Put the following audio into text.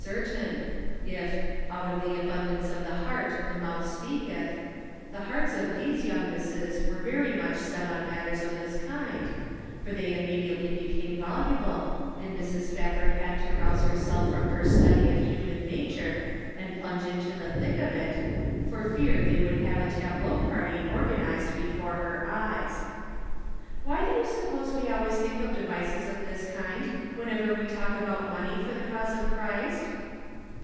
245 certain : If " out of the abundance of the heart the mouth speaketh," the hearts of these young misses were very much set on matters of this kind, for they immediately became voluble, and Mrs. Spafford had to rouse herself from her study of human nature, and plunge into the thick of it, for fear they would have a tableau party organized before her eyes. " Why do you suppose we always think of devices of this kind whenever we talk about money for the cause of Christ